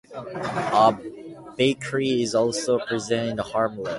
A bakery is also present in the hamlet.